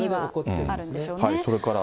それから。